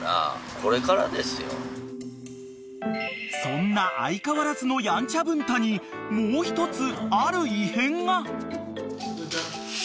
［そんな相変わらずのやんちゃ文太にもう一つある異変が］